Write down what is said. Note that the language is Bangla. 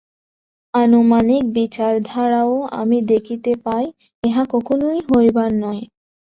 আনুমানিক বিচার দ্বারাও আমি দেখিতে পাই, ইহা কখনও হইবার নয়।